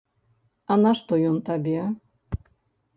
А нашто ён табе?